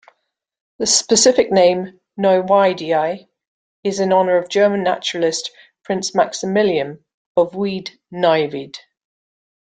The specific name, "neuwiedii", is in honor of German naturalist Prince Maximilian of Wied-Neuwied.